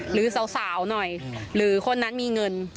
หรือสาวหน่อยหรือคนนั้นมีเงิน